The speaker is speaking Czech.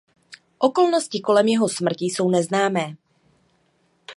Okolnosti kolem jeho smrti jsou neznámé.